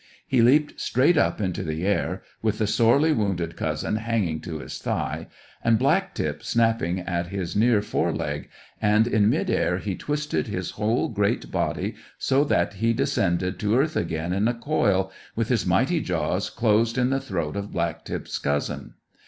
He leaped straight up into the air, with the sorely wounded cousin hanging to his thigh, and Black tip snapping at his near fore leg, and in mid air he twisted his whole great body so that he descended to earth again in a coil, with his mighty jaws closed in the throat of Black tip's cousin.